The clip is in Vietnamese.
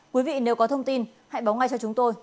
quý vị nếu có thông tin hãy báo ngay cho chúng tôi